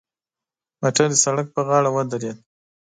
موټر د سړک پر غاړه ودرید.